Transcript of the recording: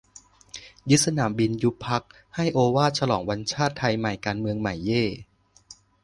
ยึดสนามบิน ยุบพรรค ให้โอวาท ฉลองวันชาติไทยใหม่ การเมืองใหม่ เย่ !